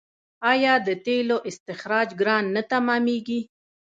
آیا د تیلو استخراج ګران نه تمامېږي؟